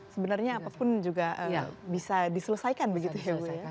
sebenarnya apapun juga bisa diselesaikan begitu ya bu